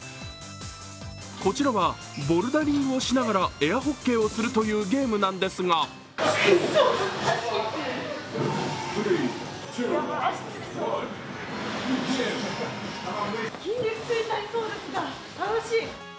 こちらはボルダリングをしながらエアホッケーをするというゲームなんですが筋肉痛になりそうですが楽しい。